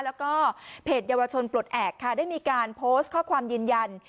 แล้วก็เพจเยาวชนปลดแอบค่ะได้มีการโพสต์ข้อความยืนยัน